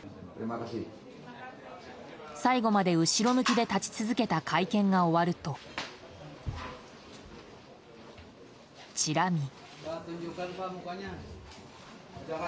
最後まで後ろ向きで立ち続けた会見が終わるとチラ見。